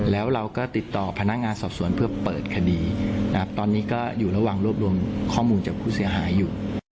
แล้วเราก็ติดต่อพนักงานสอบสวนเพื่อเปิดคดีนะครับตอนนี้ก็อยู่ระหว่างรวบรวมข้อมูลจากผู้เสียหายอยู่